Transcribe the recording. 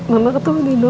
mama ketemu nino